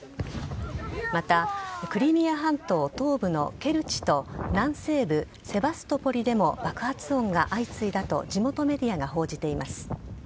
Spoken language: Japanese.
またクリミア半島東部のケルチと南西部・セバストポリでも爆発音が相次いだと地元メディアが報じています。